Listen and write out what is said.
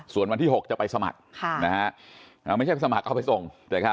ส่วนวันที่๖จะไปสมัครไม่ใช่สมัครเข้าไปส่ง